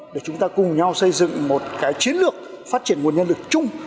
để chúng ta cùng nhau xây dựng một cái chiến lược phát triển nguồn nhân lực chung